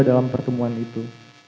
dalam pertemuan itu